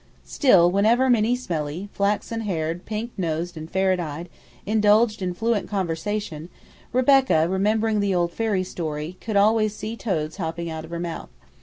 Still, whenever Minnie Smellie, flaxen haired, pink nosed, and ferret eyed, indulged in fluent conversation, Rebecca, remembering the old fairy story, could always see toads hopping out of her mouth.